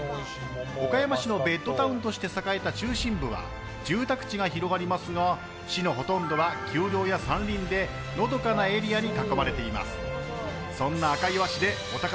岡山市のベッドタウンとして栄えた中心部は住宅地が広がりますが市のほとんどは丘陵や山林でのどかなエリアに囲まれています。